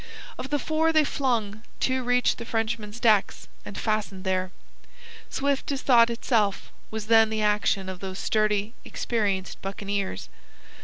Of the four they flung, two reached the Frenchman's decks, and fastened there. Swift as thought itself, was then the action of those sturdy, experienced buccaneers.